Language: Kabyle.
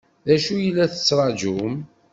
D acu i la tettṛaǧum?